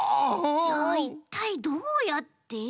じゃあいったいどうやって！？